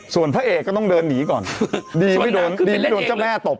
ส่วนพระเอกก็ต้องเดินหนีก่อนดีไม่โดนดีไม่โดนเจ้าแม่ตบ